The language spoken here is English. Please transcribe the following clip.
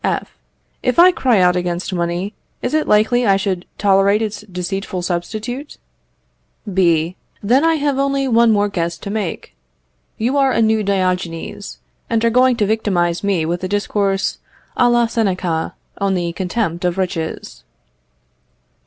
F. If I cry out against money, is it likely I should tolerate its deceitful substitute? B. Then I have only one more guess to make. You are a new Diogenes, and are going to victimize me with a discourse à la Seneca, on the contempt of riches.